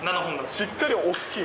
しっかり大きい。